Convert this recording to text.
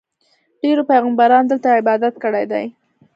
ډېرو پیغمبرانو دلته عبادت کړی دی.